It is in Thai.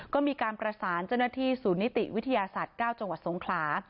ก็มีการประสานเจ้าหน้าที่ศูนย์นิติวิทยาศาสตร์๙จังหวัดสงขลา